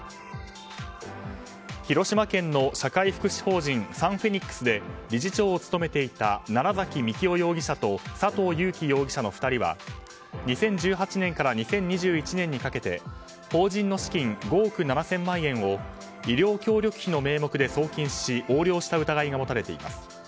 広島県の社会福祉法人サンフェニックスで理事長を務めていた楢崎幹雄容疑者と佐藤裕紀容疑者の２人は２０１８年から２０２１年にかけ法人の資金５億７０００万円を医療協力費の名目で送金し横領した疑いが持たれています。